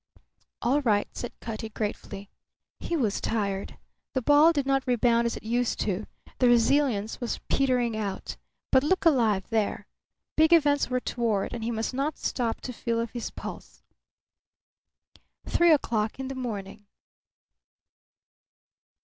"All right," said Cutty, gratefully. He was tired. The ball did not rebound as it used to; the resilience was petering out. But look alive, there! Big events were toward, and he must not stop to feel of his pulse. Three o'clock in the morning.